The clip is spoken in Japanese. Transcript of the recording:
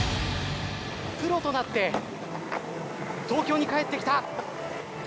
プロとなって東京に帰ってきた。